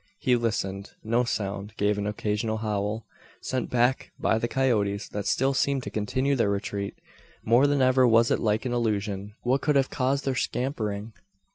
He listened. No sound, save an occasional howl, sent back by the coyotes that still seemed to continue their retreat! More than ever was it like an illusion. What could have caused their scampering?